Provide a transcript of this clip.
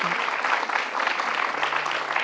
สวัสดีครับ